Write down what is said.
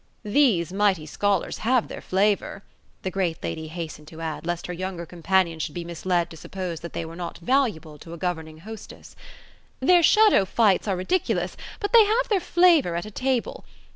"These mighty scholars have their flavour," the great lady hastened to add, lest her younger companion should be misled to suppose that they were not valuable to a governing hostess: "their shadow fights are ridiculous, but they have their flavour at a table.